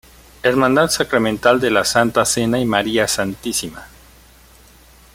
Hermandad Sacramental de la Santa Cena y María Stma.